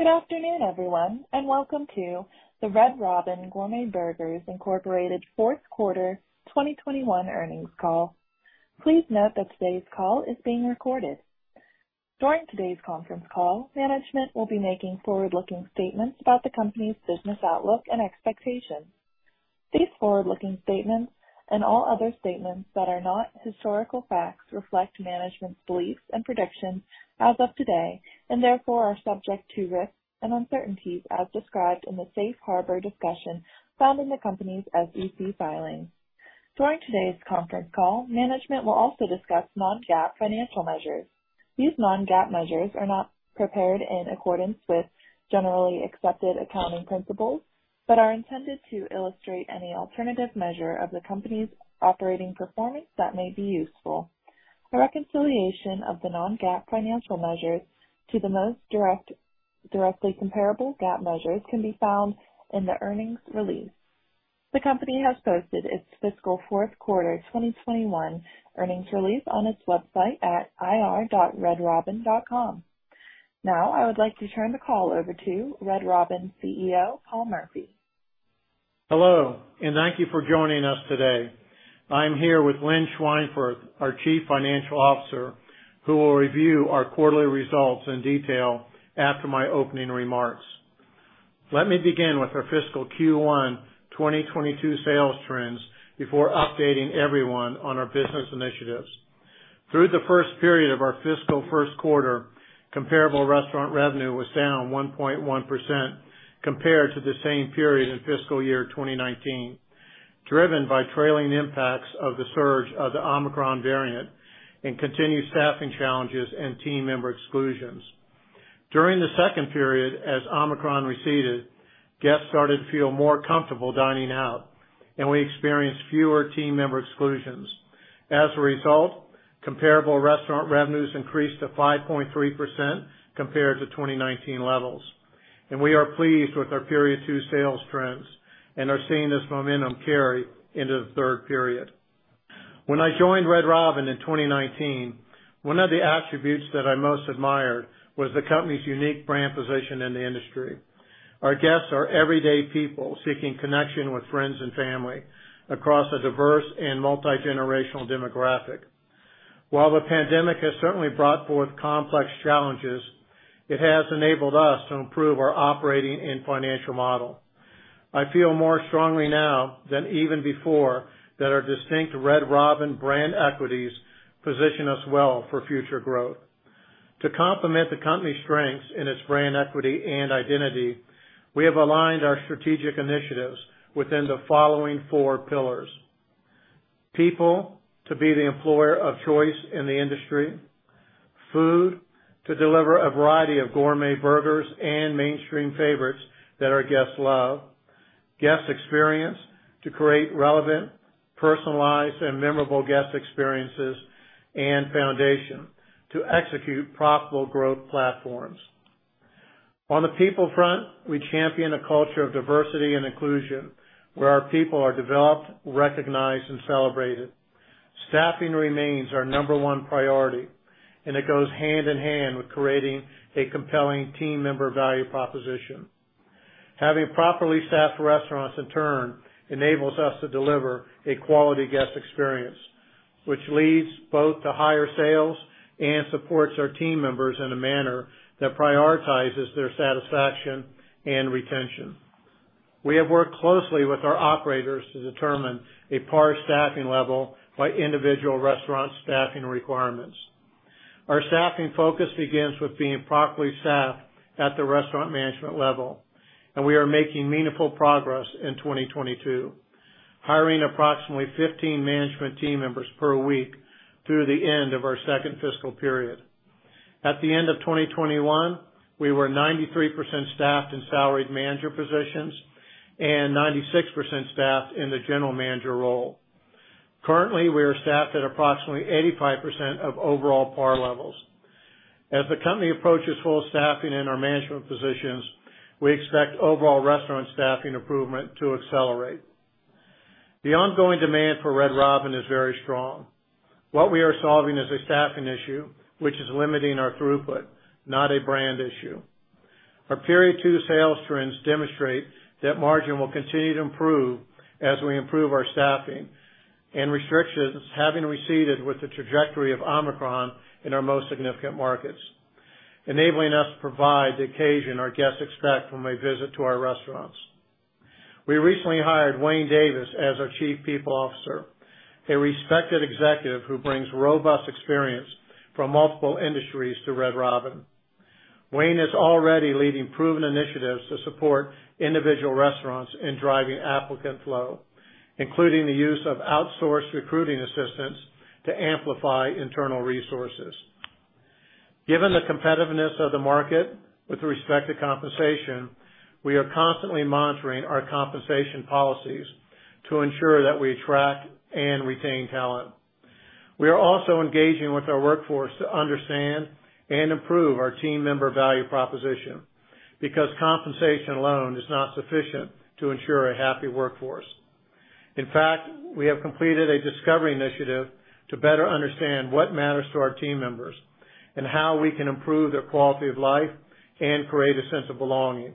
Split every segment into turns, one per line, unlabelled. Good afternoon, everyone, and welcome to the Red Robin Gourmet Burgers Incorporated Fourth Quarter 2021 Earnings Call. Please note that today's call is being recorded. During today's conference call, management will be making forward-looking statements about the company's business outlook and expectations. These forward-looking statements, and all other statements that are not historical facts, reflect management's beliefs and predictions as of today, and therefore are subject to risks and uncertainties as described in the safe harbor discussion found in the company's SEC filings. During today's conference call, management will also discuss non-GAAP financial measures. These non-GAAP measures are not prepared in accordance with generally accepted accounting principles, but are intended to illustrate any alternative measure of the company's operating performance that may be useful. A reconciliation of the non-GAAP financial measures to the most directly comparable GAAP measures can be found in the earnings release. The company has posted its fiscal fourth quarter 2021 earnings release on its website at ir.redrobin.com. Now, I would like to turn the call over to Red Robin CEO, Paul Murphy.
Hello, and thank you for joining us today. I'm here with Lynn Schweinfurth, our Chief Financial Officer, who will review our quarterly results in detail after my opening remarks. Let me begin with our fiscal Q1 2022 sales trends before updating everyone on our business initiatives. Through the first period of our fiscal first quarter, comparable restaurant revenue was down 1.1% compared to the same period in fiscal year 2019, driven by trailing impacts of the surge of the Omicron variant and continued staffing challenges and team member exclusions. During the second period, as Omicron receded, guests started to feel more comfortable dining out, and we experienced fewer team member exclusions. As a result, comparable restaurant revenues increased to 5.3% compared to 2019 levels. We are pleased with our period 2 sales trends and are seeing this momentum carry into the third period. When I joined Red Robin in 2019, one of the attributes that I most admired was the company's unique brand position in the industry. Our guests are everyday people seeking connection with friends and family across a diverse and multigenerational demographic. While the pandemic has certainly brought forth complex challenges, it has enabled us to improve our operating and financial model. I feel more strongly now than even before that our distinct Red Robin brand equities position us well for future growth. To complement the company's strengths in its brand equity and identity, we have aligned our strategic initiatives within the following four pillars. People, to be the employer of choice in the industry. Food, to deliver a variety of gourmet burgers and mainstream favorites that our guests love. Guest experience, to create relevant, personalized, and memorable guest experiences. Foundation, to execute profitable growth platforms. On the people front, we champion a culture of diversity and inclusion, where our people are developed, recognized, and celebrated. Staffing remains our number one priority, and it goes hand in hand with creating a compelling team member value proposition. Having properly staffed restaurants, in turn, enables us to deliver a quality guest experience, which leads both to higher sales and supports our team members in a manner that prioritizes their satisfaction and retention. We have worked closely with our operators to determine a par staffing level by individual restaurant staffing requirements. Our staffing focus begins with being properly staffed at the restaurant management level, and we are making meaningful progress in 2022, hiring approximately 15 management team members per week through the end of our second fiscal period. At the end of 2021, we were 93% staffed in salaried manager positions and 96% staffed in the general manager role. Currently, we are staffed at approximately 85% of overall par levels. As the company approaches full staffing in our management positions, we expect overall restaurant staffing improvement to accelerate. The ongoing demand for Red Robin is very strong. What we are solving is a staffing issue, which is limiting our throughput, not a brand issue. Our period 2 sales trends demonstrate that margin will continue to improve as we improve our staffing and restrictions having receded with the trajectory of Omicron in our most significant markets, enabling us to provide the occasion our guests expect from a visit to our restaurants. We recently hired Wayne Davis as our Chief People Officer, a respected executive who brings robust experience from multiple industries to Red Robin. Wayne is already leading proven initiatives to support individual restaurants in driving applicant flow, including the use of outsourced recruiting assistance to amplify internal resources. Given the competitiveness of the market with respect to compensation, we are constantly monitoring our compensation policies to ensure that we attract and retain talent. We are also engaging with our workforce to understand and improve our team member value proposition, because compensation alone is not sufficient to ensure a happy workforce. In fact, we have completed a discovery initiative to better understand what matters to our team members and how we can improve their quality of life and create a sense of belonging.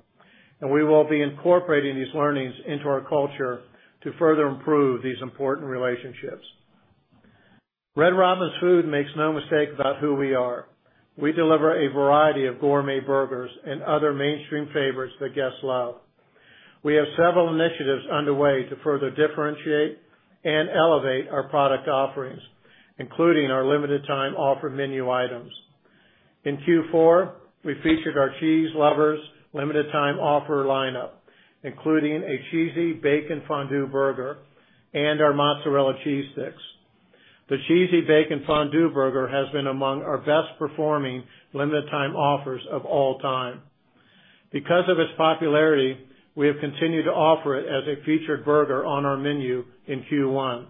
We will be incorporating these learnings into our culture to further improve these important relationships. Red Robin's food makes no mistake about who we are. We deliver a variety of gourmet burgers and other mainstream favorites that guests love. We have several initiatives underway to further differentiate and elevate our product offerings, including our limited time offer menu items. In Q4, we featured our Cheese Lovers limited time offer lineup, including a Cheesy Bacon Fondue Burger and our Mozzarella Cheese Sticks. The Cheesy Bacon Fondue Burger has been among our best performing limited time offers of all time. Because of its popularity, we have continued to offer it as a featured burger on our menu in Q1,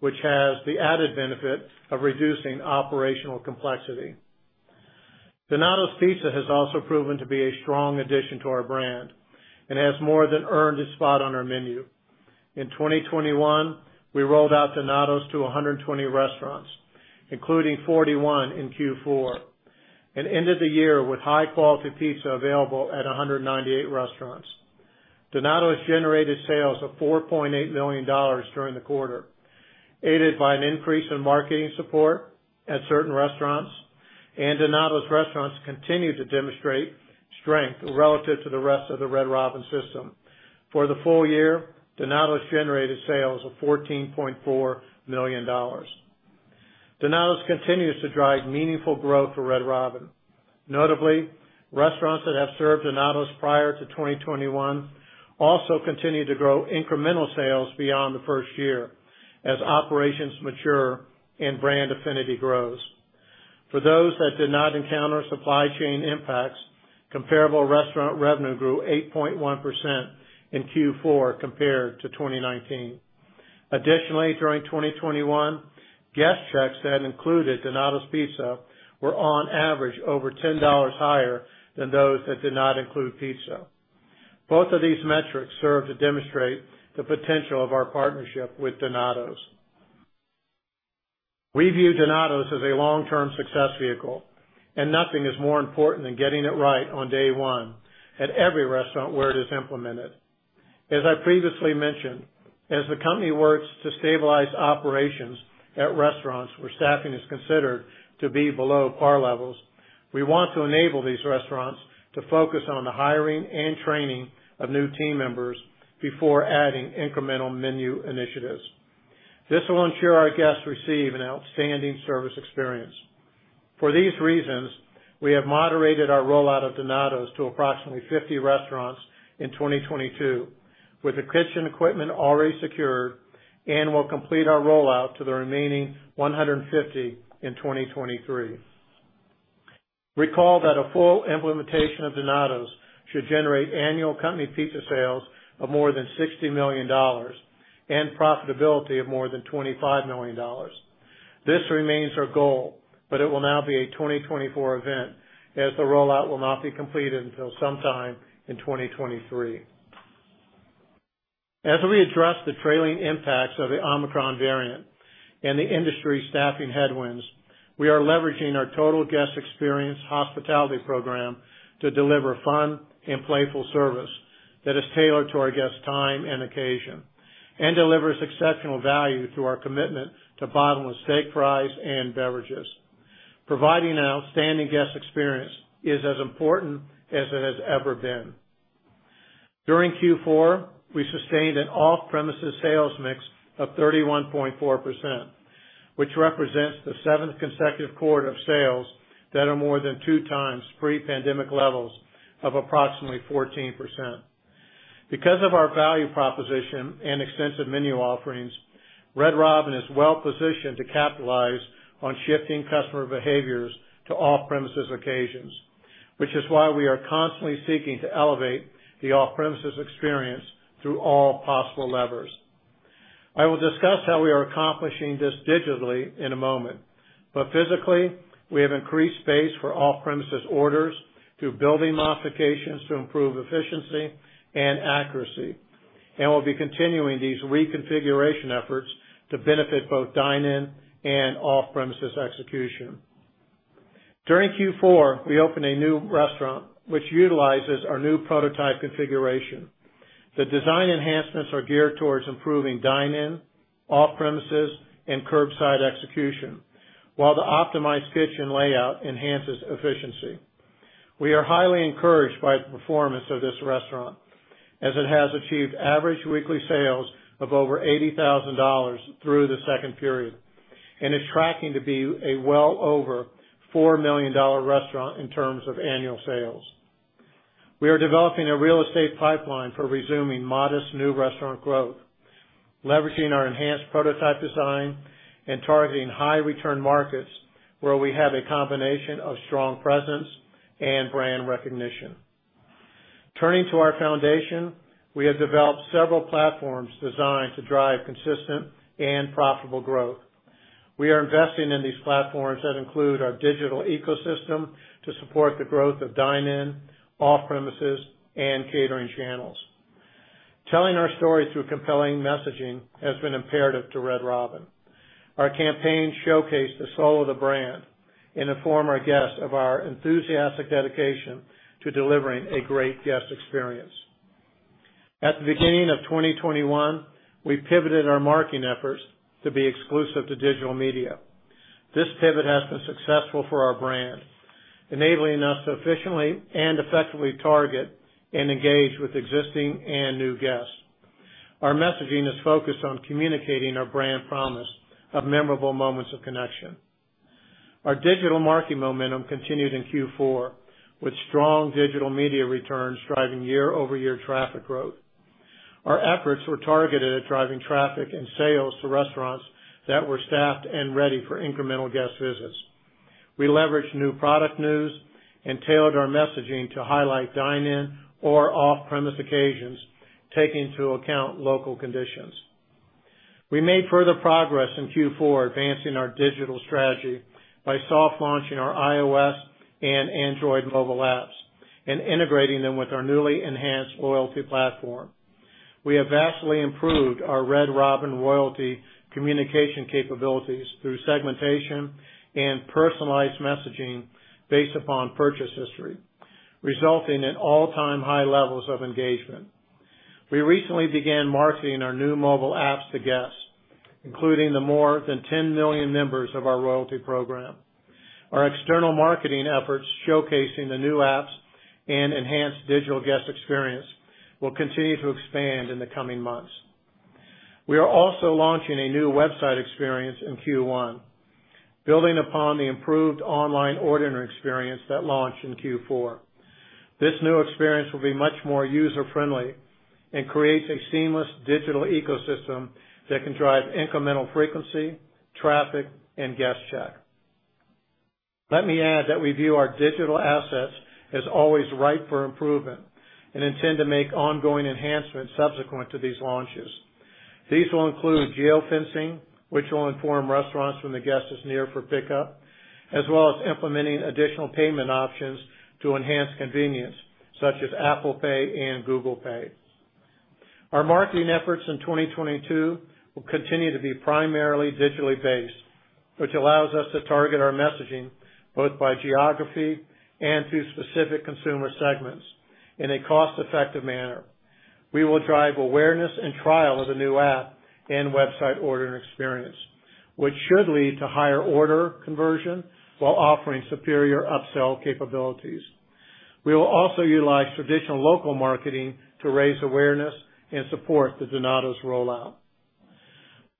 which has the added benefit of reducing operational complexity. Donatos pizza has also proven to be a strong addition to our brand and has more than earned a spot on our menu. In 2021, we rolled out Donatos to 120 restaurants, including 41 in Q4, and ended the year with high quality pizza available at 198 restaurants. Donatos generated sales of $4.8 million during the quarter, aided by an increase in marketing support at certain restaurants, and Donatos restaurants continue to demonstrate strength relative to the rest of the Red Robin system. For the full year, Donatos generated sales of $14.4 million. Donatos continues to drive meaningful growth for Red Robin. Notably, restaurants that have served Donatos prior to 2021 also continue to grow incremental sales beyond the first year as operations mature and brand affinity grows. For those that did not encounter supply chain impacts, comparable restaurant revenue grew 8.1% in Q4 compared to 2019. Additionally, during 2021, guest checks that included Donatos pizza were on average over $10 higher than those that did not include pizza. Both of these metrics serve to demonstrate the potential of our partnership with Donatos. We view Donatos as a long-term success vehicle, and nothing is more important than getting it right on day one at every restaurant where it is implemented. As I previously mentioned, as the company works to stabilize operations at restaurants where staffing is considered to be below par levels, we want to enable these restaurants to focus on the hiring and training of new team members before adding incremental menu initiatives. This will ensure our guests receive an outstanding service experience. For these reasons, we have moderated our rollout of Donatos to approximately 50 restaurants in 2022, with the kitchen equipment already secured, and will complete our rollout to the remaining 150 in 2023. Recall that a full implementation of Donatos should generate annual company pizza sales of more than $60 million and profitability of more than $25 million. This remains our goal, but it will now be a 2024 event as the rollout will not be completed until sometime in 2023. As we address the trailing impacts of the Omicron variant and the industry staffing headwinds, we are leveraging our total guest experience hospitality program to deliver fun and playful service that is tailored to our guest time and occasion and delivers exceptional value through our commitment to Bottomless Steak Fries and beverages. Providing an outstanding guest experience is as important as it has ever been. During Q4, we sustained an off-premises sales mix of 31.4%, which represents the seventh consecutive quarter of sales that are more than two times pre-pandemic levels of approximately 14%. Because of our value proposition and extensive menu offerings, Red Robin is well-positioned to capitalize on shifting customer behaviors to off-premises occasions, which is why we are constantly seeking to elevate the off-premises experience through all possible levers. I will discuss how we are accomplishing this digitally in a moment, but physically, we have increased space for off-premises orders through building modifications to improve efficiency and accuracy, and we'll be continuing these reconfiguration efforts to benefit both dine-in and off-premises execution. During Q4, we opened a new restaurant which utilizes our new prototype configuration. The design enhancements are geared towards improving dine-in, off-premises, and curbside execution, while the optimized kitchen layout enhances efficiency. We are highly encouraged by the performance of this restaurant as it has achieved average weekly sales of over $80,000 through the second period and is tracking to be a well over $4 million restaurant in terms of annual sales. We are developing a real estate pipeline for resuming modest new restaurant growth, leveraging our enhanced prototype design and targeting high return markets where we have a combination of strong presence and brand recognition. Turning to our foundation, we have developed several platforms designed to drive consistent and profitable growth. We are investing in these platforms that include our digital ecosystem to support the growth of dine-in, off-premises, and catering channels. Telling our story through compelling messaging has been imperative to Red Robin. Our campaigns showcase the soul of the brand and inform our guests of our enthusiastic dedication to delivering a great guest experience. At the beginning of 2021, we pivoted our marketing efforts to be exclusive to digital media. This pivot has been successful for our brand, enabling us to efficiently and effectively target and engage with existing and new guests. Our messaging is focused on communicating our brand promise of memorable moments of connection. Our digital marketing momentum continued in Q4, with strong digital media returns driving year-over-year traffic growth. Our efforts were targeted at driving traffic and sales to restaurants that were staffed and ready for incremental guest visits. We leveraged new product news and tailored our messaging to highlight dine-in or off-premise occasions, taking into account local conditions. We made further progress in Q4 advancing our digital strategy by soft launching our iOS and Android mobile apps and integrating them with our newly enhanced loyalty platform. We have vastly improved our Red Robin loyalty communication capabilities through segmentation and personalized messaging based upon purchase history, resulting in all-time high levels of engagement. We recently began marketing our new mobile apps to guests, including the more than 10 million members of our loyalty program. Our external marketing efforts showcasing the new apps and enhanced digital guest experience will continue to expand in the coming months. We are also launching a new website experience in Q1, building upon the improved online ordering experience that launched in Q4. This new experience will be much more user-friendly and creates a seamless digital ecosystem that can drive incremental frequency, traffic, and guest check. Let me add that we view our digital assets as always ripe for improvement and intend to make ongoing enhancements subsequent to these launches. These will include geofencing, which will inform restaurants when the guest is near for pickup, as well as implementing additional payment options to enhance convenience, such as Apple Pay and Google Pay. Our marketing efforts in 2022 will continue to be primarily digitally based, which allows us to target our messaging both by geography and to specific consumer segments in a cost-effective manner. We will drive awareness and trial of the new app and website ordering experience, which should lead to higher order conversion while offering superior upsell capabilities. We will also utilize traditional local marketing to raise awareness and support the Donatos rollout.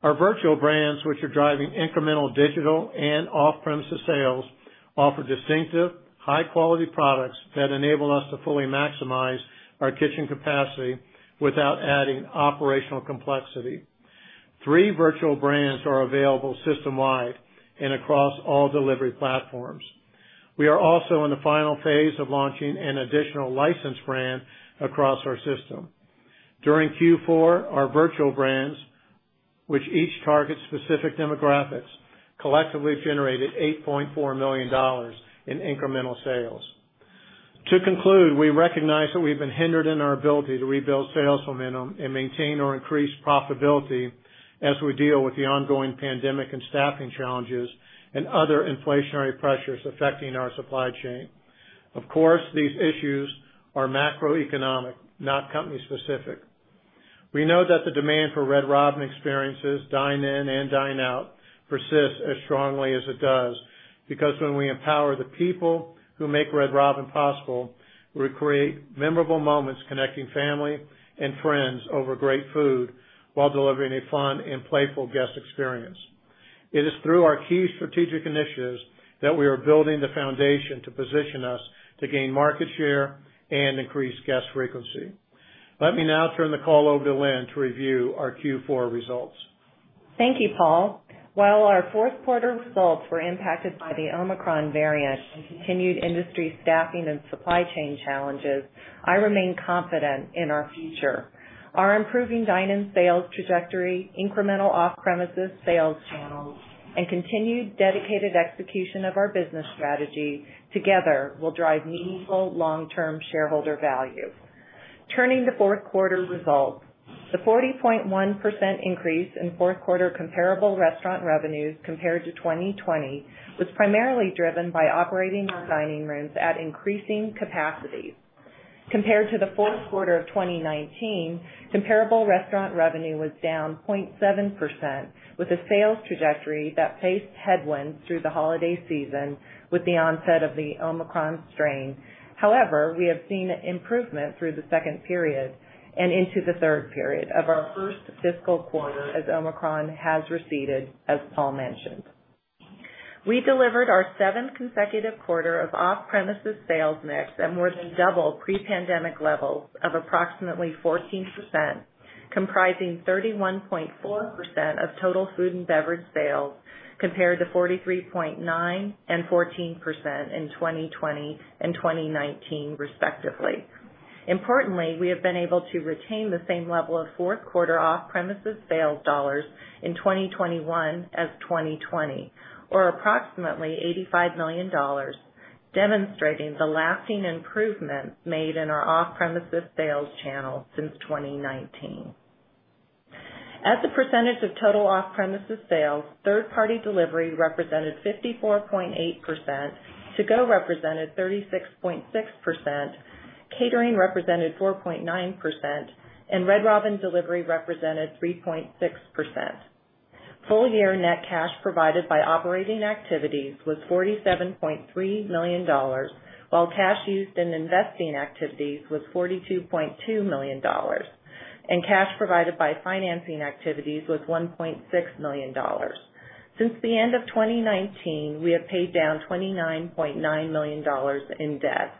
Our virtual brands, which are driving incremental digital and off-premises sales, offer distinctive, high-quality products that enable us to fully maximize our kitchen capacity without adding operational complexity. Three virtual brands are available system-wide and across all delivery platforms. We are also in the final phase of launching an additional licensed brand across our system. During Q4, our virtual brands, which each target specific demographics, collectively generated $8.4 million in incremental sales. To conclude, we recognize that we've been hindered in our ability to rebuild sales momentum and maintain or increase profitability as we deal with the ongoing pandemic and staffing challenges and other inflationary pressures affecting our supply chain. Of course, these issues are macroeconomic, not company-specific. We know that the demand for Red Robin experiences, dine-in and dine-out, persists as strongly as it does because when we empower the people who make Red Robin possible, we create memorable moments connecting family and friends over great food while delivering a fun and playful guest experience. It is through our key strategic initiatives that we are building the foundation to position us to gain market share and increase guest frequency. Let me now turn the call over to Lynn to review our Q4 results.
Thank you, Paul. While our fourth quarter results were impacted by the Omicron variant and continued industry staffing and supply chain challenges, I remain confident in our future. Our improving dine-in sales trajectory, incremental off-premises sales channels, and continued dedicated execution of our business strategy together will drive meaningful long-term shareholder value. Turning to fourth quarter results, the 40.1% increase in fourth quarter comparable restaurant revenues compared to 2020 was primarily driven by operating our dining rooms at increasing capacity. Compared to the fourth quarter of 2019, comparable restaurant revenue was down 0.7%, with a sales trajectory that faced headwinds through the holiday season with the onset of the Omicron strain. However, we have seen improvement through the second period and into the third period of our first fiscal quarter as Omicron has receded, as Paul mentioned. We delivered our seventh consecutive quarter of off-premises sales mix at more than double pre-pandemic levels of approximately 14%, comprising 31.4% of total food and beverage sales compared to 43.9% and 14% in 2020 and 2019, respectively. Importantly, we have been able to retain the same level of fourth quarter off-premises sales dollars in 2021 as 2020, or approximately $85 million, demonstrating the lasting improvements made in our off-premises sales channel since 2019. As a percentage of total off-premises sales, third-party delivery represented 54.8%, to-go represented 36.6%, catering represented 4.9%, and Red Robin delivery represented 3.6%. Full year net cash provided by operating activities was $47.3 million, while cash used in investing activities was $42.2 million, and cash provided by financing activities was $1.6 million. Since the end of 2019, we have paid down $29.9 million in debt.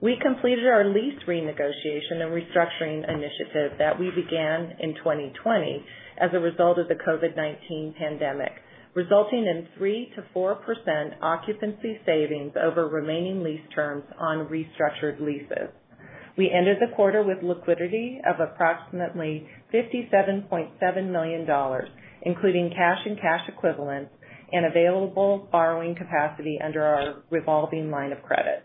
We completed our lease renegotiation and restructuring initiative that we began in 2020 as a result of the COVID-19 pandemic, resulting in 3%-4% occupancy savings over remaining lease terms on restructured leases. We ended the quarter with liquidity of approximately $57.7 million, including cash and cash equivalents and available borrowing capacity under our revolving line of credit.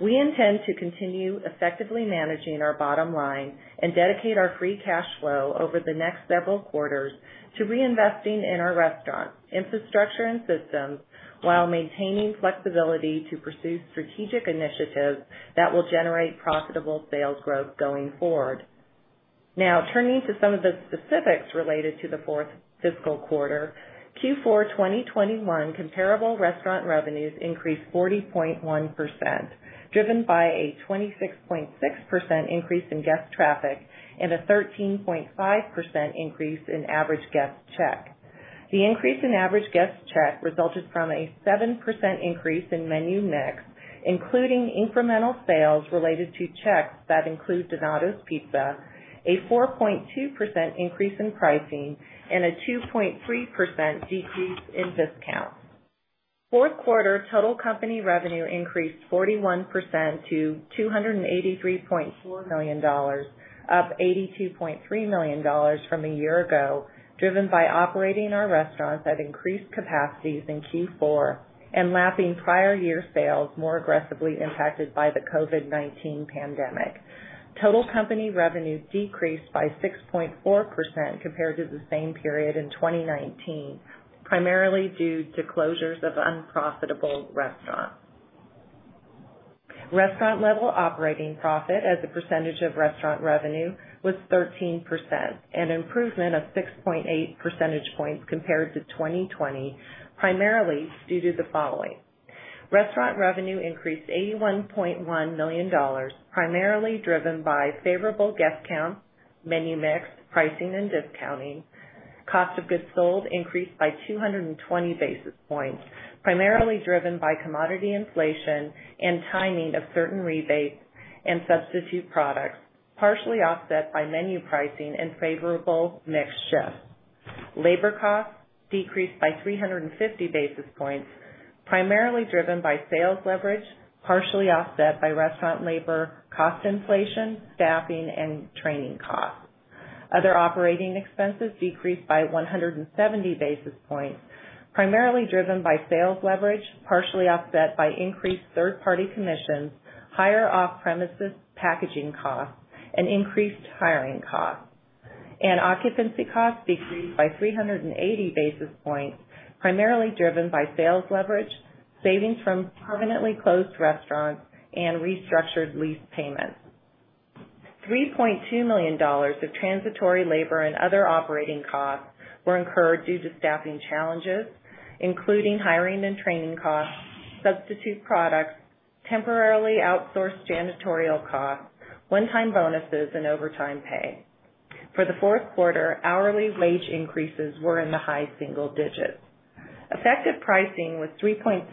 We intend to continue effectively managing our bottom line and dedicate our free cash flow over the next several quarters to reinvesting in our restaurants, infrastructure and systems while maintaining flexibility to pursue strategic initiatives that will generate profitable sales growth going forward. Now, turning to some of the specifics related to the fourth fiscal quarter. Q4, 2021 comparable restaurant revenues increased 40.1%, driven by a 26.6% increase in guest traffic and a 13.5% increase in average guest check. The increase in average guest check resulted from a 7% increase in menu mix, including incremental sales related to checks that include Donatos pizza, a 4.2% increase in pricing, and a 2.3% decrease in discounts. Fourth quarter total company revenue increased 41% to $283.4 million, up $82.3 million from a year ago, driven by operating our restaurants at increased capacities in Q4 and lapping prior year sales more aggressively impacted by the COVID-19 pandemic. Total company revenue decreased by 6.4% compared to the same period in 2019, primarily due to closures of unprofitable restaurants. Restaurant level operating profit as a percentage of restaurant revenue was 13%, an improvement of 6.8 percentage points compared to 2020, primarily due to the following. Restaurant revenue increased $81.1 million, primarily driven by favorable guest counts, menu mix, pricing and discounting. Cost of goods sold increased by 220 basis points, primarily driven by commodity inflation and timing of certain rebates and substitute products, partially offset by menu pricing and favorable mix shift. Labor costs decreased by 350 basis points, primarily driven by sales leverage, partially offset by restaurant labor cost inflation, staffing and training costs. Other operating expenses decreased by 170 basis points, primarily driven by sales leverage, partially offset by increased third party commissions, higher off-premises packaging costs and increased hiring costs. Occupancy costs decreased by 380 basis points, primarily driven by sales leverage, savings from permanently closed restaurants and restructured lease payments. $3.2 million of transitory labor and other operating costs were incurred due to staffing challenges, including hiring and training costs, substitute products, temporarily outsourced janitorial costs, one-time bonuses, and overtime pay. For the fourth quarter, hourly wage increases were in the high single digits. Effective pricing was 3.6%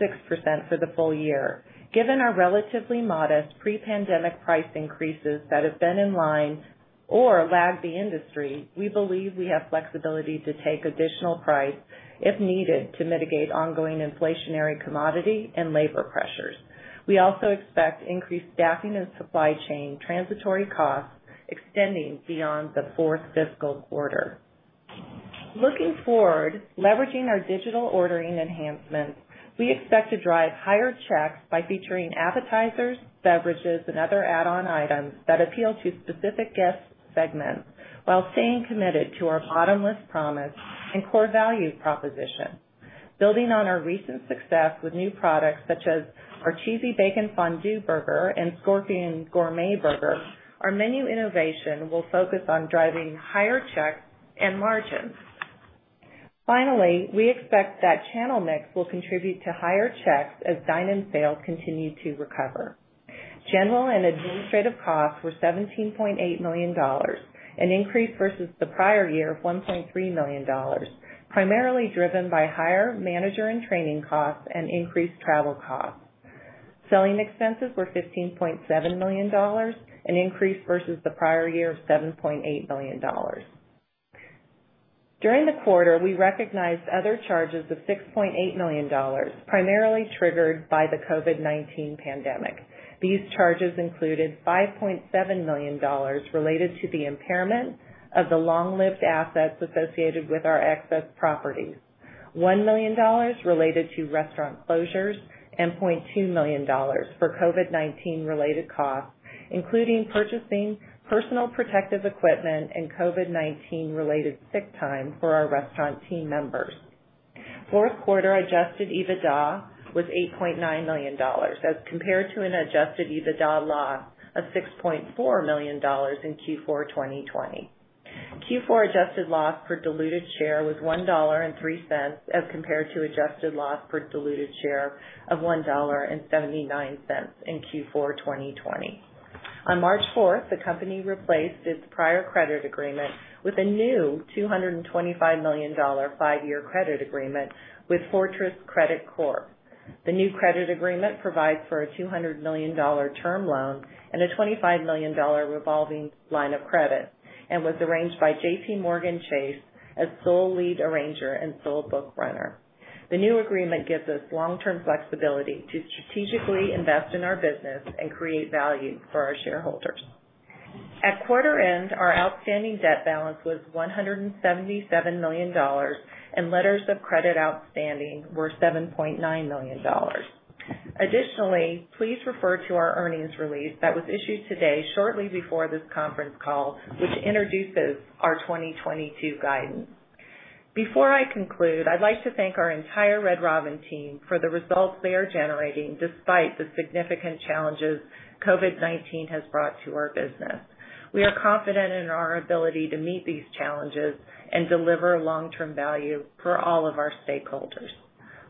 for the full year. Given our relatively modest pre-pandemic price increases that have been in line or lag the industry, we believe we have flexibility to take additional price if needed to mitigate ongoing inflationary commodity and labor pressures. We also expect increased staffing and supply chain transitory costs extending beyond the fourth fiscal quarter. Looking forward, leveraging our digital ordering enhancements, we expect to drive higher checks by featuring appetizers, beverages, and other add-on items that appeal to specific guest segments while staying committed to our bottomless promise and core value proposition. Building on our recent success with new products such as our Cheesy Bacon Fondue Burger and Scorpion Gourmet Burger, our menu innovation will focus on driving higher checks and margins. Finally, we expect that channel mix will contribute to higher checks as dine-in sales continue to recover. General and administrative costs were $17.8 million, an increase versus the prior year of $1.3 million, primarily driven by higher manager and training costs and increased travel costs. Selling expenses were $15.7 million, an increase versus the prior year of $7.8 million. During the quarter, we recognized other charges of $6.8 million, primarily triggered by the COVID-19 pandemic. These charges included $5.7 million related to the impairment of the long-lived assets associated with our excess properties, $1 million related to restaurant closures, and $0.2 million for COVID-19 related costs, including purchasing personal protective equipment and COVID-19 related sick time for our restaurant team members. Fourth quarter Adjusted EBITDA was $8.9 million as compared to an Adjusted EBITDA loss of $6.4 million in Q4 2020. Q4 adjusted loss per diluted share was $1.03 as compared to adjusted loss per diluted share of $1.79 in Q4 2020. On March fourth, the company replaced its prior credit agreement with a new $225 million five-year credit agreement with Fortress Credit Corp. The new credit agreement provides for a $200 million term loan and a $25 million revolving line of credit and was arranged by JPMorgan Chase as sole lead arranger and sole book runner. The new agreement gives us long-term flexibility to strategically invest in our business and create value for our shareholders. At quarter end, our outstanding debt balance was $177 million, and letters of credit outstanding were $7.9 million. Additionally, please refer to our earnings release that was issued today shortly before this conference call, which introduces our 2022 guidance. Before I conclude, I'd like to thank our entire Red Robin team for the results they are generating despite the significant challenges COVID-19 has brought to our business. We are confident in our ability to meet these challenges and deliver long-term value for all of our stakeholders.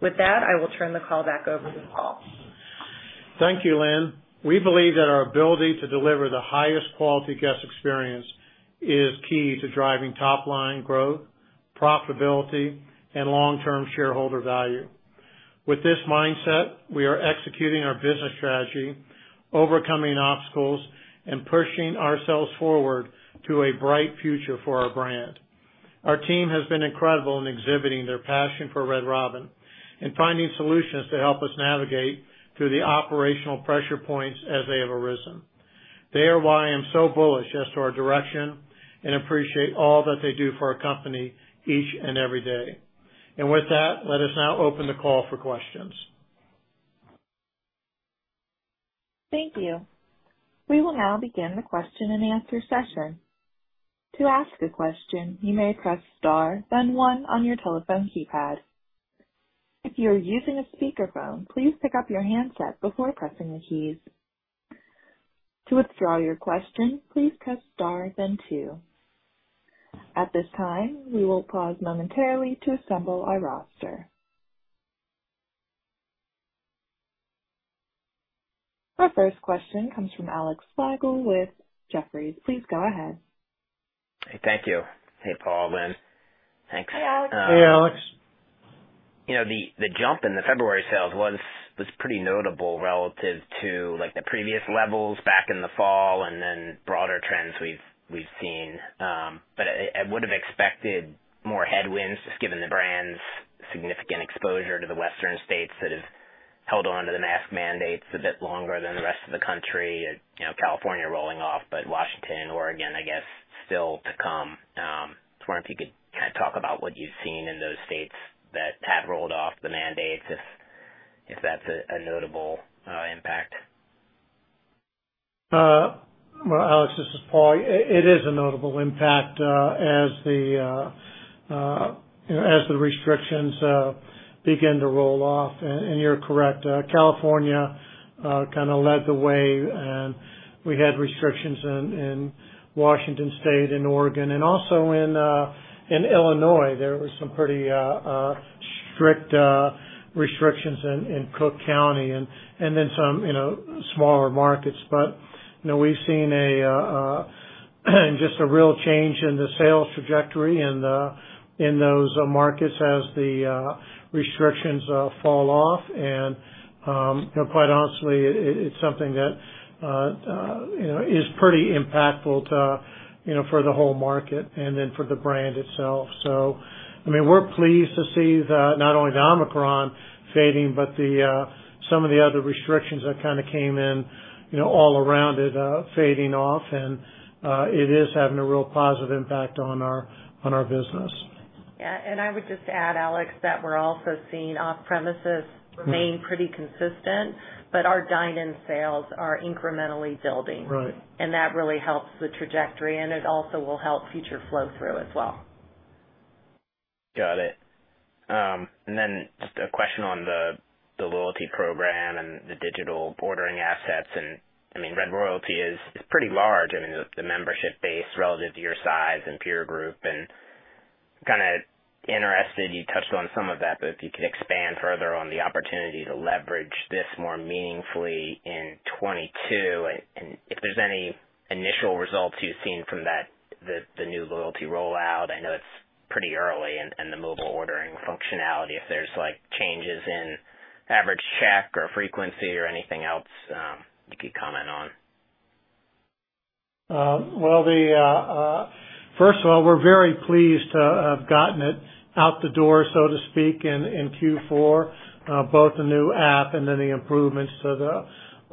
With that, I will turn the call back over to Paul.
Thank you, Lynn. We believe that our ability to deliver the highest quality guest experience is key to driving top line growth, profitability, and long-term shareholder value. With this mindset, we are executing our business strategy, overcoming obstacles and pushing ourselves forward to a bright future for our brand. Our team has been incredible in exhibiting their passion for Red Robin and finding solutions to help us navigate through the operational pressure points as they have arisen. They are why I'm so bullish as to our direction and appreciate all that they do for our company each and every day. With that, let us now open the call for questions.
Thank you. We will now begin the question and answer session. To ask a question, you may press Star, then one on your telephone keypad. If you are using a speakerphone, please pick up your handset before pressing the keys. To withdraw your question, please press Star then two. At this time, we will pause momentarily to assemble our roster. Our first question comes from Alex Slagle with Jefferies. Please go ahead.
Hey, thank you. Hey, Paul and Lynn. Thanks.
Hey, Alex.
Hey, Alex.
You know, the jump in the February sales was pretty notable relative to like, the previous levels back in the fall and then broader trends we've seen. I would have expected more headwinds just given the brand's significant exposure to the Western states that have held onto the mask mandates a bit longer than the rest of the country. You know, California rolling off, but Washington and Oregon, I guess, still to come. Just wondering if you could kind of talk about what you've seen in those states that have rolled off the mandates, if that's a notable impact.
Well, Alex, this is Paul. It is a notable impact, you know, as the restrictions begin to roll off. You're correct, California kind of led the way, and we had restrictions in Washington state, in Oregon, and also in Illinois. There was some pretty strict restrictions in Cook County and then some, you know, smaller markets. You know, we've seen just a real change in the sales trajectory in those markets as the restrictions fall off. You know, quite honestly, it's something that, you know, is pretty impactful to, you know, for the whole market and then for the brand itself. I mean, we're pleased to see the, not only the Omicron fading, but the, some of the other restrictions that kind of came in, you know, all around it, fading off. It is having a real positive impact on our business.
Yeah. I would just add, Alex, that we're also seeing off-premises-
Mm-hmm.
Remain pretty consistent, but our dine-in sales are incrementally building.
Right.
That really helps the trajectory, and it also will help future flow through as well.
Got it. Just a question on the loyalty program and the digital ordering assets. I mean, Red Royalty is pretty large. I mean, the membership base relative to your size and peer group. I'm kind of interested, you touched on some of that, but if you could expand further on the opportunity to leverage this more meaningfully in 2022, and if there's any initial results you've seen from that, the new loyalty rollout, I know it's pretty early and the mobile ordering functionality, if there's like changes in average check or frequency or anything else, you could comment on.
Well, first of all, we're very pleased to have gotten it out the door, so to speak, in Q4, both the new app and then the improvements to the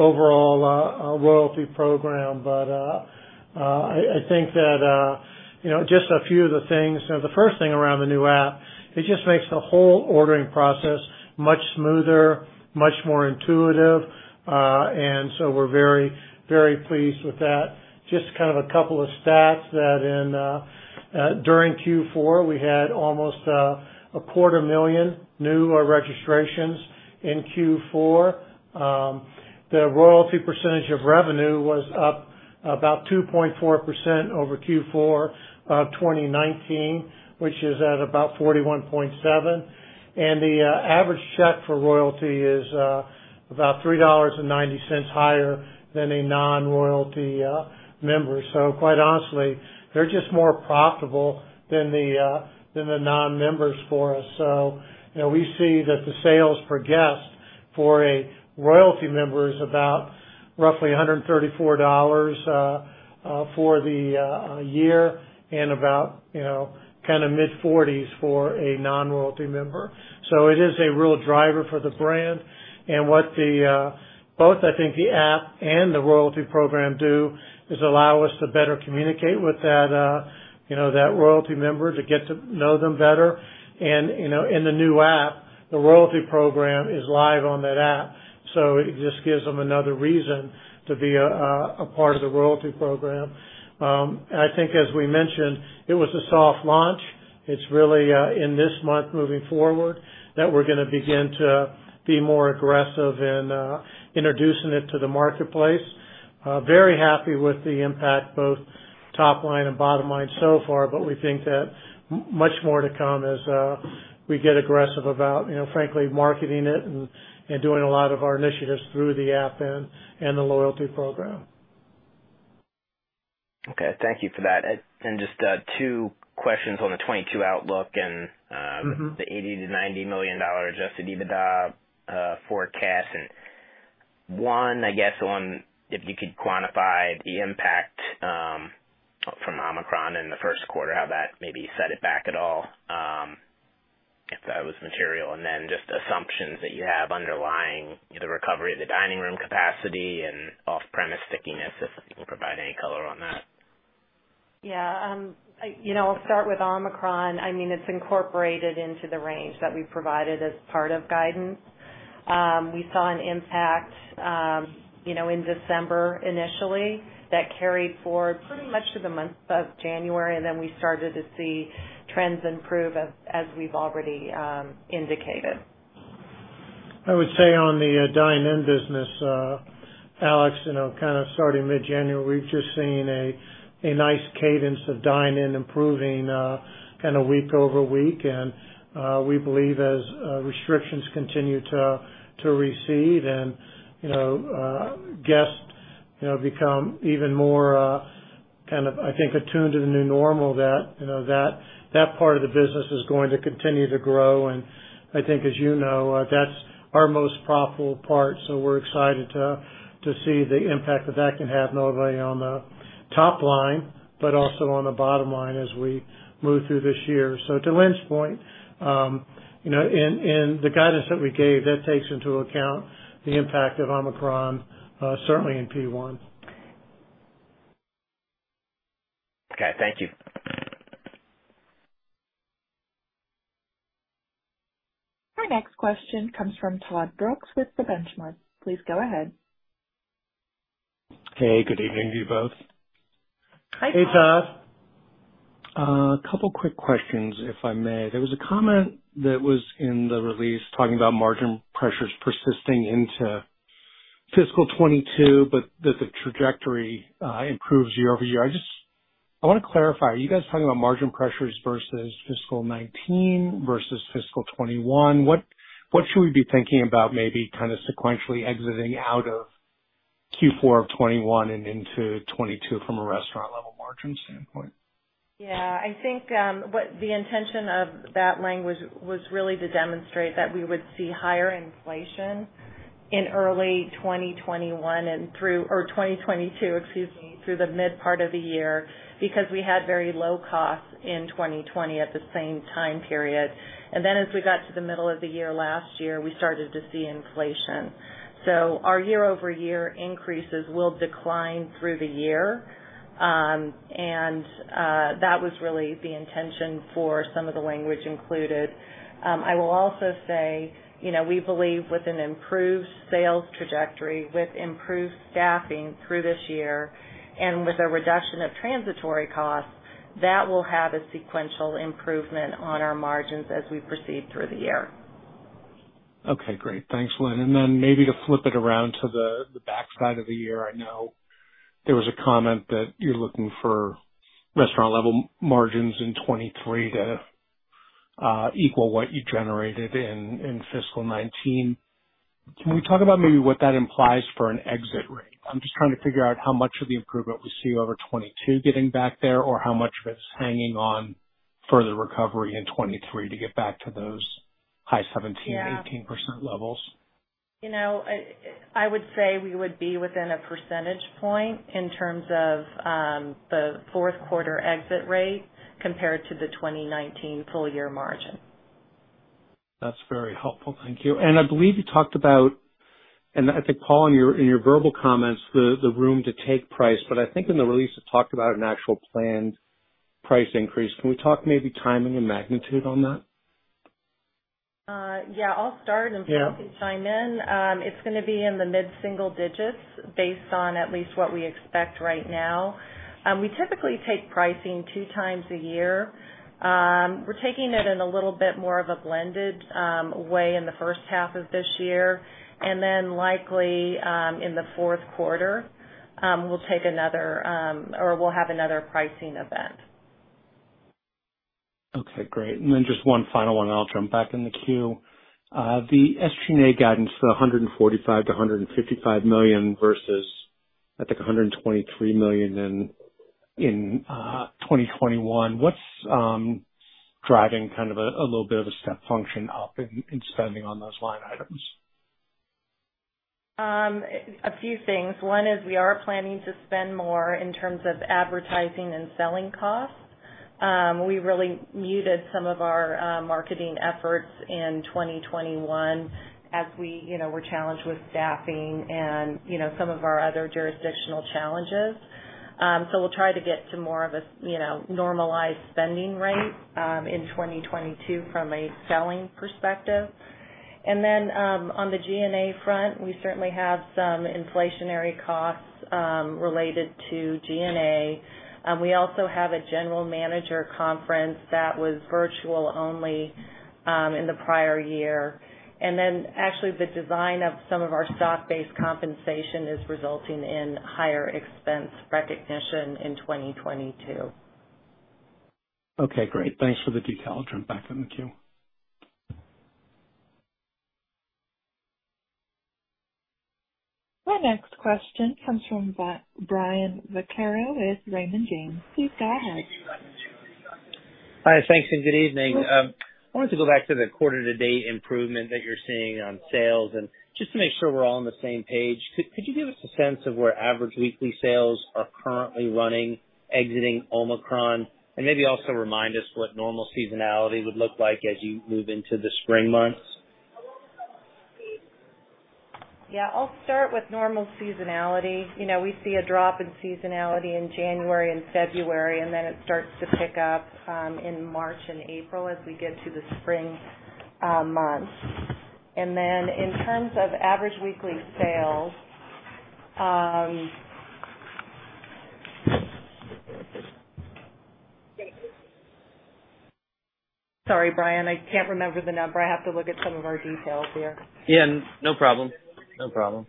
overall Royalty program. I think that, you know, just a few of the things. The first thing around the new app, it just makes the whole ordering process much smoother, much more intuitive. We're very, very pleased with that. Just kind of a couple of stats that, during Q4, we had almost 250,000 new registrations in Q4. The Royalty percentage of revenue was up about 2.4% over Q4 of 2019, which is at about 41.7%. The average check for royalty is about $3.90 higher than a non-royalty member. Quite honestly, they're just more profitable than the non-members for us. You know, we see that the sales per guest for a royalty member is about roughly $134 for the year, and about, you know, kind of mid-40s for a non-royalty member. It is a real driver for the brand. What both, I think, the app and the royalty program do is allow us to better communicate with that royalty member to get to know them better. You know, in the new app, the royalty program is live on that app, so it just gives them another reason to be a part of the royalty program. I think as we mentioned, it was a soft launch. It's really, in this month moving forward that we're gonna begin to be more aggressive in, introducing it to the marketplace. Very happy with the impact, both top line and bottom line so far, but we think that much more to come as we get aggressive about, you know, frankly, marketing it and doing a lot of our initiatives through the app and the loyalty program.
Okay. Thank you for that. Just two questions on the 2022 outlook and
Mm-hmm
The $80 million-$90 million Adjusted EBITDA forecast. One, I guess on if you could quantify the impact from Omicron in the first quarter, how that maybe set it back at all, if that was material. Just assumptions that you have underlying the recovery of the dining room capacity and off-premise stickiness, if you can provide any color on that.
Yeah. You know, I'll start with Omicron. I mean, it's incorporated into the range that we provided as part of guidance. We saw an impact, you know, in December initially, that carried forward pretty much through the month of January, and then we started to see trends improve as we've already indicated.
I would say on the dine-in business, Alex, you know, kind of starting mid-January, we've just seen a nice cadence of dine-in improving, kinda week over week. We believe as restrictions continue to recede and, you know, guests, you know, become even more, kind of, I think, attuned to the new normal, that part of the business is going to continue to grow. I think, as you know, that's our most profitable part, so we're excited to see the impact that that can have not only on the top line but also on the bottom line as we move through this year. To Lynn's point, you know, in the guidance that we gave, that takes into account the impact of Omicron, certainly in Q1.
Okay. Thank you.
Our next question comes from Todd Brooks with The Benchmark. Please go ahead.
Hey, good evening to you both.
Hi, Todd.
Hey, Todd.
A couple quick questions, if I may. There was a comment that was in the release talking about margin pressures persisting into fiscal 2022, but that the trajectory improves year over year. I wanna clarify, are you guys talking about margin pressures versus fiscal 2019 versus fiscal 2021? What should we be thinking about maybe kinda sequentially exiting out of Q4 of 2021 and into 2022 from a restaurant-level margin standpoint?
Yeah. I think what the intention of that language was really to demonstrate that we would see higher inflation in early 2021 and through 2022, excuse me, through the mid part of the year because we had very low costs in 2020 at the same time period. As we got to the middle of the year last year, we started to see inflation. Our year-over-year increases will decline through the year. That was really the intention for some of the language included. I will also say, you know, we believe with an improved sales trajectory, with improved staffing through this year, and with a reduction of transitory costs, that will have a sequential improvement on our margins as we proceed through the year.
Okay. Great. Thanks, Lynn. Maybe to flip it around to the backside of the year. I know there was a comment that you're looking for restaurant-level margins in 2023 to equal what you generated in fiscal 2019. Can we talk about maybe what that implies for an exit rate? I'm just trying to figure out how much of the improvement we see over 2022 getting back there, or how much of it's hanging on further recovery in 2023 to get back to those high 17% and 18% levels.
You know, I would say we would be within a % point in terms of the fourth quarter exit rate compared to the 2019 full year margin.
That's very helpful. Thank you. I believe you talked about, and I think, Paul, in your verbal comments, the room to take price, but I think in the release, it talked about an actual planned price increase. Can we talk maybe timing and magnitude on that?
Yeah, I'll start.
Yeah.
Paul can chime in. It's gonna be in the mid-single digits based on at least what we expect right now. We typically take pricing two times a year. We're taking it in a little bit more of a blended way in the first half of this year, and then likely in the fourth quarter, we'll take another or we'll have another pricing event.
Okay, great. Just one final one, and I'll jump back in the queue. The SG&A guidance for $145 million-$155 million versus I think $123 million in 2021, what's driving kind of a little bit of a step function up in spending on those line items?
A few things. One is we are planning to spend more in terms of advertising and selling costs. We really muted some of our marketing efforts in 2021 as we, you know, were challenged with staffing and, you know, some of our other jurisdictional challenges. We'll try to get to more of a, you know, normalized spending rate in 2022 from a selling perspective. Then, on the G&A front, we certainly have some inflationary costs related to G&A. We also have a general manager conference that was virtual only in the prior year. Then actually, the design of some of our stock-based compensation is resulting in higher expense recognition in 2022.
Okay, great. Thanks for the detail. I'll jump back in the queue.
My next question comes from Brian Vaccaro with Raymond James. Please go ahead.
Hi, thanks and good evening. I wanted to go back to the quarter-to-date improvement that you're seeing on sales and just to make sure we're all on the same page, could you give us a sense of where average weekly sales are currently running exiting Omicron? Maybe also remind us what normal seasonality would look like as you move into the spring months.
Yeah, I'll start with normal seasonality. You know, we see a drop in seasonality in January and February, and then it starts to pick up in March and April as we get to the spring months. In terms of average weekly sales. Sorry, Brian. I can't remember the number. I have to look at some of our details here.
Yeah, no problem. No problem.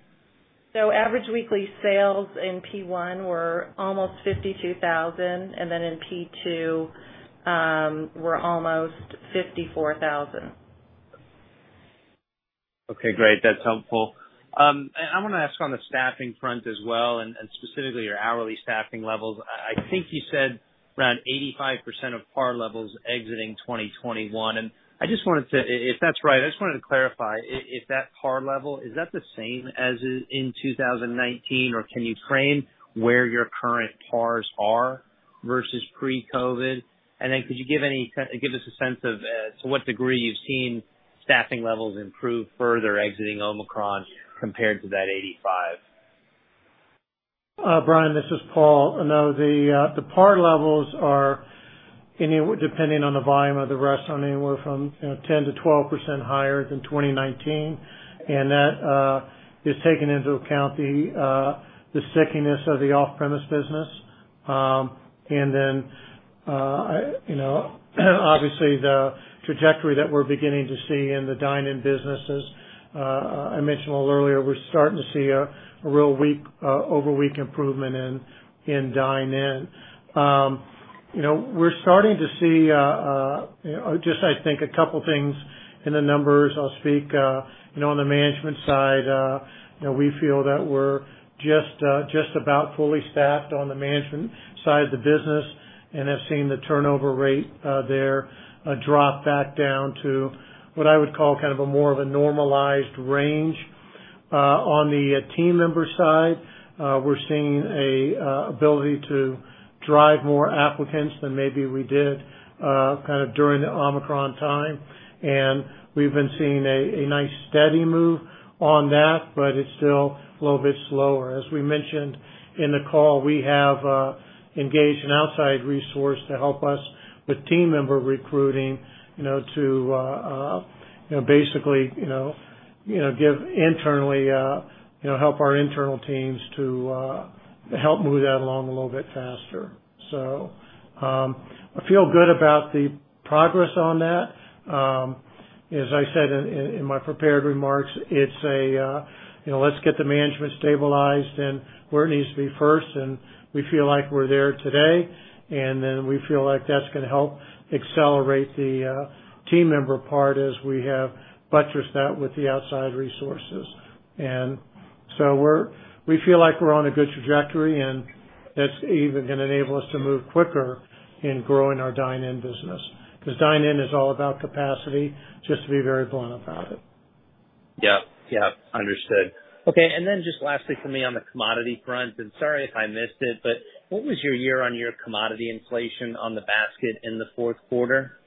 Average weekly sales in P1 were almost $52,000, and then in P2 were almost $54,000.
Okay, great. That's helpful. I wanna ask on the staffing front as well, and specifically your hourly staffing levels. I think you said around 85% of par levels exiting 2021, and I just wanted to—if that's right, I just wanted to clarify if that par level is the same as in 2019, or can you frame where your current pars are versus pre-COVID? Then could you give us a sense of to what degree you've seen staffing levels improve further exiting Omicron compared to that 85%?
Brian, this is Paul. No, the par levels are anywhere depending on the volume of the restaurant, anywhere from, you know, 10%-12% higher than 2019. That is taking into account the stickiness of the off-premise business. You know, obviously the trajectory that we're beginning to see in the dine-in businesses, I mentioned a little earlier, we're starting to see a real week-over-week improvement in dine-in. You know, we're starting to see just I think a couple things in the numbers. I'll speak, you know, on the management side, you know, we feel that we're just about fully staffed on the management side of the business and have seen the turnover rate there drop back down to what I would call kind of a more of a normalized range. On the team member side, we're seeing an ability to drive more applicants than maybe we did kind of during the Omicron time, and we've been seeing a nice steady move on that, but it's still a little bit slower. As we mentioned in the call, we have engaged an outside resource to help us with team member recruiting, you know, to basically help our internal teams to help move that along a little bit faster. I feel good about the progress on that. As I said in my prepared remarks, you know, let's get the management stabilized and where it needs to be first, and we feel like we're there today. Then we feel like that's gonna help accelerate the team member part as we have buttressed that with the outside resources. We feel like we're on a good trajectory and that's even gonna enable us to move quicker in growing our dine-in business. 'Cause dine-in is all about capacity, just to be very blunt about it.
Yeah. Yeah. Understood. Okay, just lastly for me on the commodity front, and sorry if I missed it, but what was your year-over-year commodity inflation on the basket in the fourth quarter?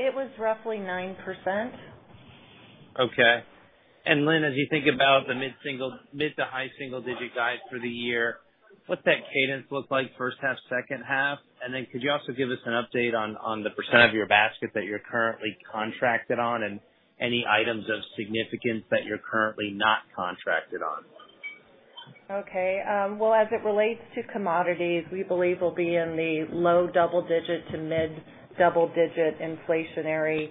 It was roughly 9%.
Okay. Lynn, as you think about the mid-to-high single digit guide for the year, what's that cadence look like first half, second half? Could you also give us an update on the % of your basket that you're currently contracted on and any items of significance that you're currently not contracted on?
Okay. Well, as it relates to commodities, we believe we'll be in the low double-digit to mid double-digit inflationary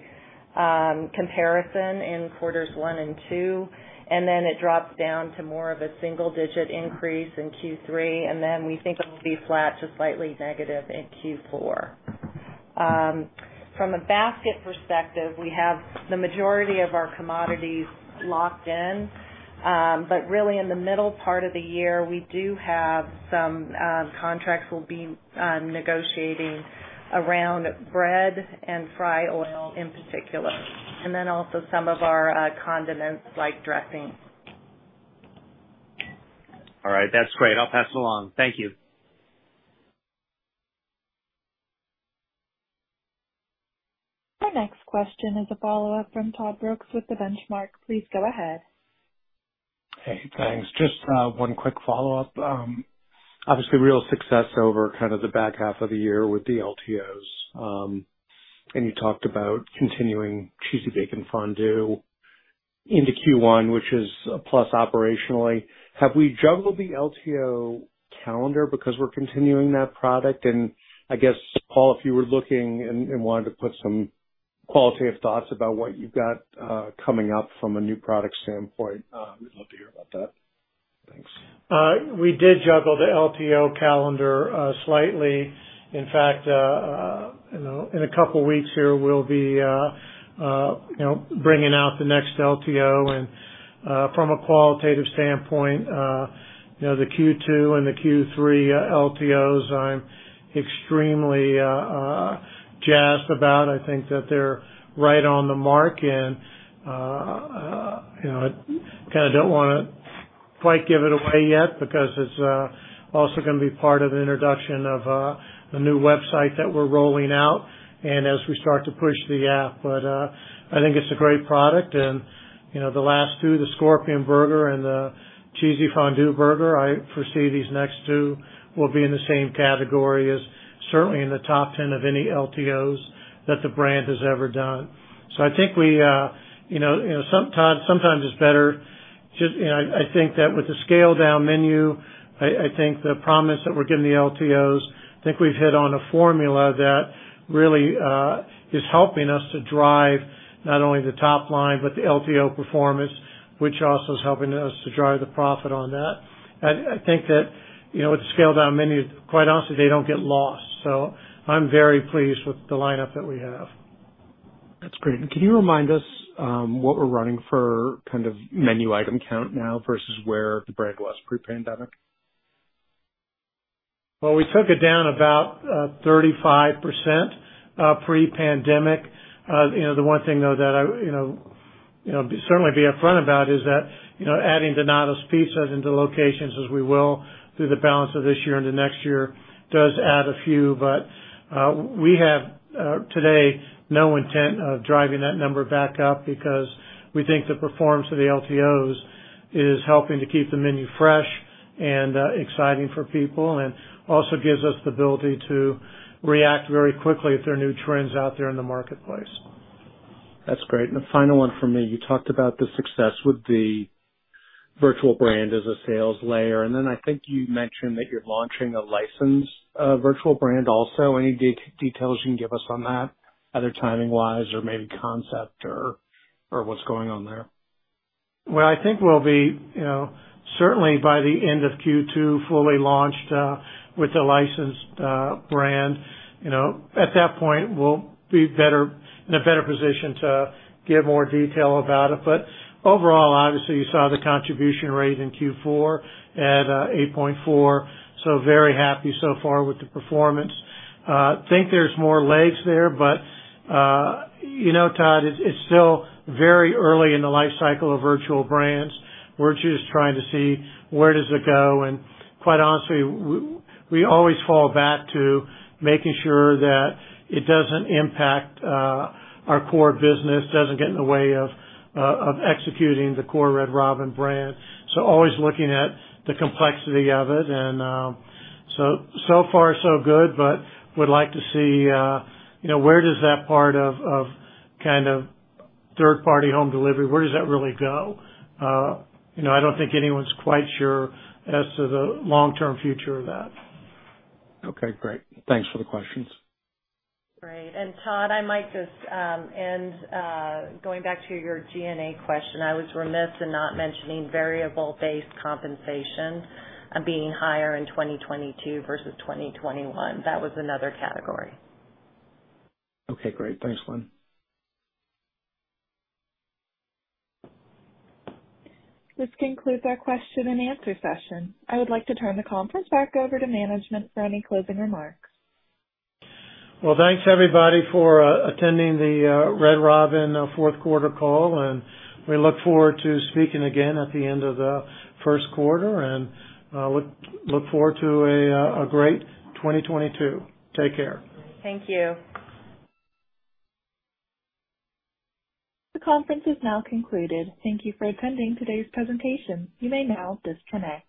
comparison in quarters 1 and 2. Then it drops down to more of a single-digit increase in Q3, and then we think it will be flat to slightly negative in Q4. From a basket perspective, we have the majority of our commodities locked in. But really in the middle part of the year, we do have some contracts we'll be negotiating around bread and fry oil in particular. Then also some of our condiments like dressings.
All right. That's great. I'll pass it along. Thank you.
Our next question is a follow-up from Todd Brooks with The Benchmark. Please go ahead.
Hey, thanks. Just one quick follow-up. Obviously, real success over kind of the back half of the year with the LTOs. You talked about continuing Cheesy Bacon Fondue into Q1, which is a plus operationally. Have we juggled the LTO calendar because we're continuing that product? I guess, Paul, if you were looking and wanted to put some qualitative thoughts about what you've got coming up from a new product standpoint, we'd love to hear about that. Thanks.
We did juggle the LTO calendar slightly. In fact, you know, in a couple of weeks here we'll be, you know, bringing out the next LTO. From a qualitative standpoint, you know, the Q2 and the Q3 LTOs, I'm extremely jazzed about. I think that they're right on the mark and, you know, I kinda don't wanna quite give it away yet because it's also gonna be part of the introduction of the new website that we're rolling out and as we start to push the app. I think it's a great product. You know, the last two, the Scorpion Burger and the Cheesy Bacon Fondue Burger, I foresee these next two will be in the same category as certainly in the top 10 of any LTOs that the brand has ever done. I think that with the scaled-down menu, the promise that we're giving the LTOs, we've hit on a formula that really is helping us to drive not only the top line, but the LTO performance, which also is helping us to drive the profit on that. I think that, you know, with the scaled-down menu, quite honestly, they don't get lost. I'm very pleased with the lineup that we have.
That's great. Can you remind us what we're running for kind of menu item count now versus where the brand was pre-pandemic?
Well, we took it down about 35%, pre-pandemic. You know, the one thing though that I you know certainly be upfront about is that you know adding Donatos pizzas into locations as we will through the balance of this year and the next year does add a few. We have today no intent of driving that number back up because we think the performance of the LTOs is helping to keep the menu fresh and exciting for people, and also gives us the ability to react very quickly if there are new trends out there in the marketplace.
That's great. The final one from me. You talked about the success with the virtual brand as a sales layer, and then I think you mentioned that you're launching a licensed virtual brand also. Any details you can give us on that, either timing wise or maybe concept or what's going on there?
Well, I think we'll be, you know, certainly by the end of Q2, fully launched with the licensed brand. You know, at that point, we'll be in a better position to give more detail about it. Overall, obviously, you saw the contribution rate in Q4 at 8.4%, so very happy so far with the performance. Think there's more legs there. You know, Todd, it's still very early in the lifecycle of virtual brands. We're just trying to see where does it go. Quite honestly, we always fall back to making sure that it doesn't impact our core business, doesn't get in the way of executing the core Red Robin brand. Always looking at the complexity of it and, so far so good. We'd like to see, you know, where does that part of kind of third-party home delivery, where does that really go? You know, I don't think anyone's quite sure as to the long-term future of that.
Okay, great. Thanks for the questions.
Great. Todd, I might just end up going back to your G&A question. I was remiss in not mentioning variable-based compensation being higher in 2022 versus 2021. That was another category.
Okay, great. Thanks, Lynn.
This concludes our question and answer session. I would like to turn the conference back over to management for any closing remarks.
Well, thanks everybody for attending the Red Robin fourth quarter call, and we look forward to speaking again at the end of the first quarter. Look forward to a great 2022. Take care.
Thank you.
The conference is now concluded. Thank you for attending today's presentation. You may now disconnect.